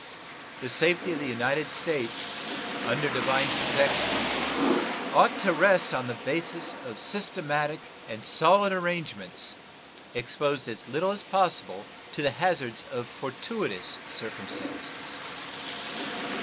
The safety of the United States under divine protection ought to rest on the basis of systematic and solid arrangements, exposed as little as possible to the hazards of fortuitous circumstances.